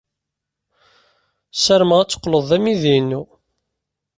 Ssarameɣ ad teqqled d amidi-inu.